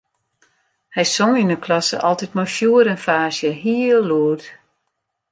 Hy song yn 'e klasse altyd mei fjoer en faasje, heel lûd.